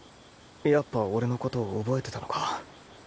やっぱ俺のこと覚えてたのか